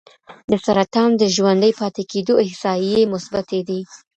د سرطان د ژوندي پاتې کېدو احصایې مثبتې دي.